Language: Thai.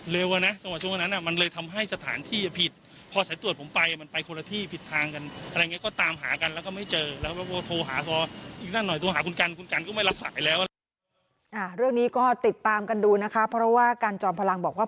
เรื่องนี้ก็ติดตามกันดูนะคะเพราะว่าการจอมพลังบอกว่า